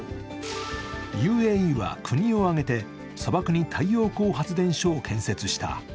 ＵＡＥは国を挙げて、砂漠に太陽光発電所を建設した。